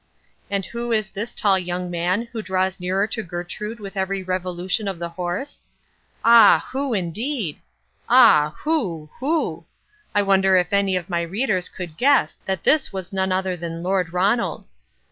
And who is this tall young man who draws nearer to Gertrude with every revolution of the horse? Ah, who, indeed? Ah, who, who? I wonder if any of my readers could guess that this was none other than Lord Ronald.